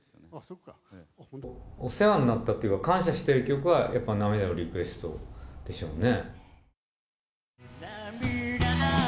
お世話になったというか、感謝している曲はやっぱり涙のリクエストでしょうね。